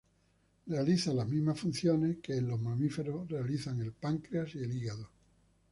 Realiza las mismas funciones que en los mamíferos realizan el páncreas y el hígado.